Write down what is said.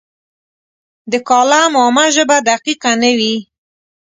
د کالم عامه ژبه دقیقه نه وي.